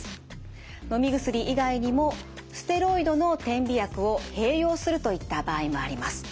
のみ薬以外にもステロイドの点鼻薬を併用するといった場合もあります。